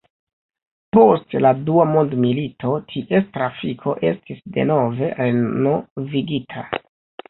Post la dua mondmilito ties trafiko estis denove renovigita.